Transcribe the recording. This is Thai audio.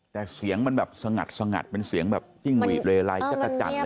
แต่เสียงมันแบบสงัดเป็นเสียงแบบจิ้งวียเล่ไรจัดจัด